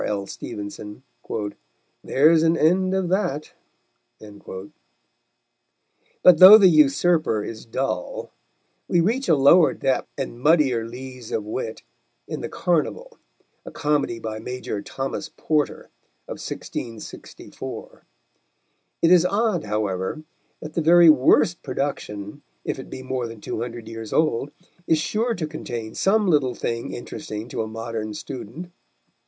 L. Stevenson, "There's an end of that." But though the Usurper is dull, we reach a lower depth and muddier lees of wit in the Carnival, a comedy by Major Thomas Porter, of 1664. It is odd, however, that the very worst production, if it be more than two hundred years old, is sure to contain some little thing interesting to a modern student.